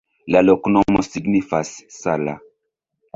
La loknomo signifas: sala.